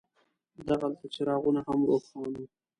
دغلته څراغونه هم روښان وو.